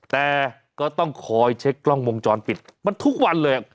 แต่ก็ต้องคอยเช็คกล้องวงจรปิดมันทุกวันเลย